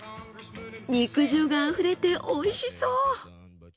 肉汁があふれて美味しそう！